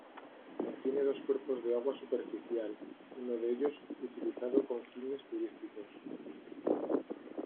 Mantiene dos cuerpos de agua superficial, uno de ellos utilizado con fines turísticos.